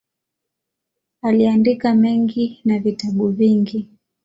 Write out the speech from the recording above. Aliandika mengi na vitabu vingi.